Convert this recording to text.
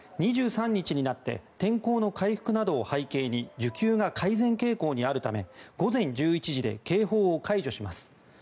２３日になって天候の回復などを背景に需給が改善傾向にあるため午前１１時で警報を解除します。